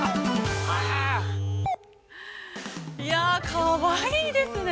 ◆かわいいですね。